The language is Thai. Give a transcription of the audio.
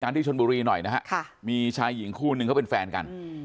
ที่ชนบุรีหน่อยนะฮะมีชายหญิงคู่นึงเขาเป็นแฟนกัน